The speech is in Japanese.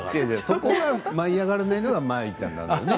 そこが舞い上がらないのは舞ちゃんだから。